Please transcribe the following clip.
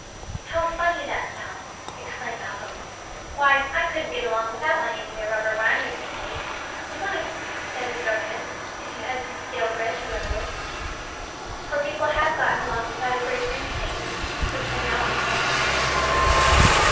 "How funny that sounds!" exclaimed Malcolm. "Why, I couldn't get along without my India rubber when I make mistakes," "You might," said his governess, "if you had some stale bread to rub with; for people have gotten along without a great many things which they now think necessary."